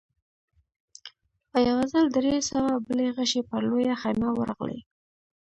په يوه ځل درې سوه بلې غشې پر لويه خيمه ورغلې.